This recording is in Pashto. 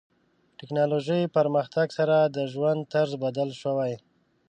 ټکنالوژي پرمختګ سره د ژوند طرز بدل شوی.